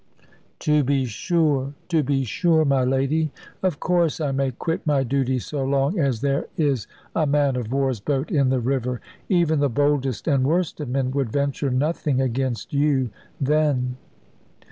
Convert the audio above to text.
"To be sure, to be sure, my lady. Of course I may quit my duty so long as there is a man of war's boat in the river; even the boldest and worst of men would venture nothing against you then."